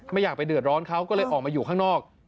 อยากไปเดือดร้อนเขาก็เลยออกมาอยู่ข้างนอก